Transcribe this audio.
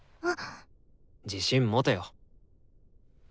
自信持てよ。